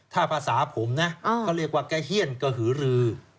ถ้าภาษาผมนะเขาเรียกว่าแกเฮียนกระหือรือ